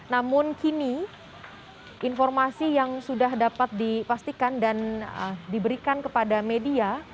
namun kini informasi yang sudah dapat dipastikan dan diberikan kepada media